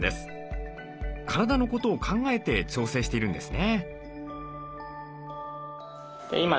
体のことを考えて調整しているんですね。